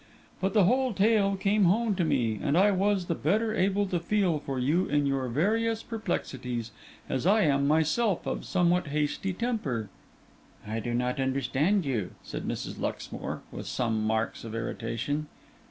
But the whole tale came home to me; and I was the better able to feel for you in your various perplexities, as I am myself of somewhat hasty temper.' 'I do not understand you,' said Mrs. Luxmore, with some marks of irritation.